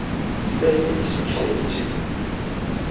Aya yesmektay-iyi-tt-id.